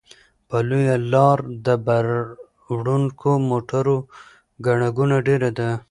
په لویه لاره د بار وړونکو موټرو ګڼه ګوڼه ډېره ده.